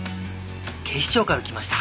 警視庁から来ました。